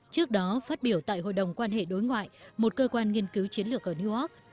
trước đó phát biểu tại hội đồng quan hệ đối ngoại một cơ quan nghiên cứu chiến lược ở new york